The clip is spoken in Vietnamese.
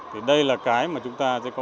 thì đây là cái mà chúng ta sẽ có